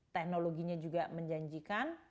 teknologinya juga menjanjikan